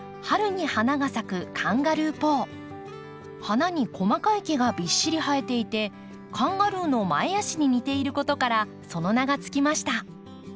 花に細かい毛がびっしり生えていてカンガルーの前足に似ていることからその名が付きました。